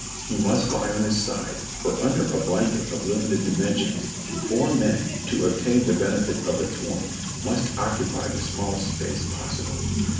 He must lie on his side, for under a blanket of limited dimensions four men, to obtain the benefit of its warmth, must occupy the smallest space possible.